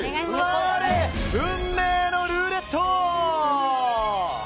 回れ、運命のルーレット！